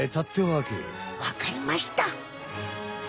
わかりました。